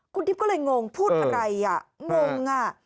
คุณทิพย์ก็เลยงงพูดอะไรอ่ะงงอ่ะ